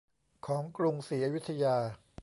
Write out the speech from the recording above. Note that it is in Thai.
ของกรุงศรีอยุธยา